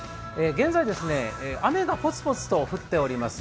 現在、雨がぽつぽつと降っております。